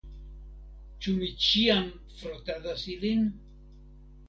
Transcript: Ĉu mi ĉiam frotadas ilin?